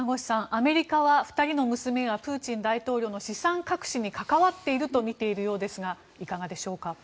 アメリカは２人の娘はプーチン大統領の資産隠しに関わっているとみているようですがいかがでしょうか。